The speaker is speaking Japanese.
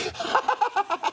ハハハ